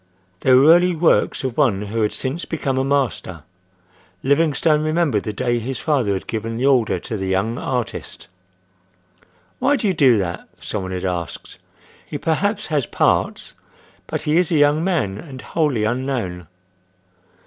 They were early works of one who had since become a master. Livingstone remembered the day his father had given the order to the young artist. "Why do you do that?" some one had asked. "He perhaps has parts, but he is a young man and wholly unknown."